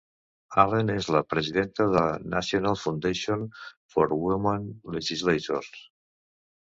Allen és la Presidenta de National Foundation for Women Legislators.